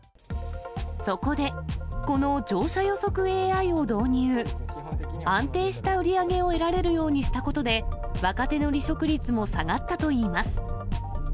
そこで、この乗車予測ＡＩを安定した売り上げを得られるようにしたことで、若手の離職率も下がったといいます。